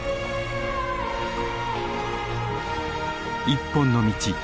「一本の道」。